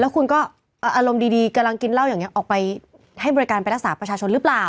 คุณก็อารมณ์ดีกำลังกินเหล้าอย่างนี้ออกไปให้บริการไปรักษาประชาชนหรือเปล่า